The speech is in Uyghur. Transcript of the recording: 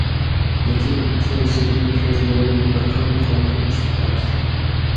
لېكىن تېرىسىدىن، كۆزلىرىدىن بىر خىل خۇنۈكلۈك چىقىپ تۇراتتى.